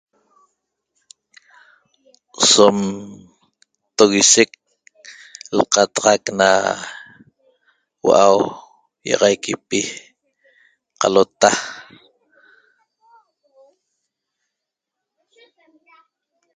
Som tuguishec lqataxac na hua'au ÿi'axaiquipi qalota